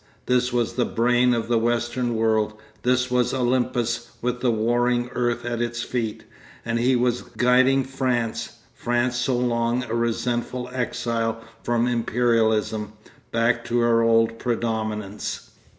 This was the brain of the western world, this was Olympus with the warring earth at its feet. And he was guiding France, France so long a resentful exile from imperialism, back to her old predominance.